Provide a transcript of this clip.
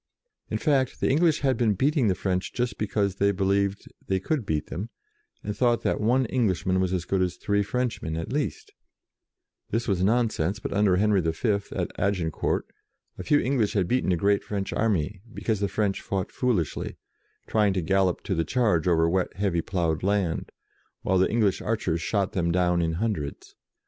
In fact, the English had been beating the French just because they believed they could beat them, and thought that one Englishman was as good as three French men at least. This was nonsense, but, under Henry V., at Agincourt, a few English had beaten a great French army, because the French fought foolishly, trying to gallop to the charge over wet, heavy ploughed land, while the English archers shot them down in hundreds.